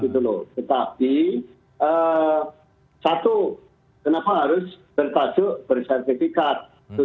tetapi satu kenapa harus bertajuk bersertifikat